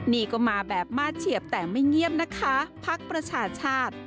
นี่ก็มาแบบมาดเฉียบแต่ไม่เงียบนะคะพักประชาชาติ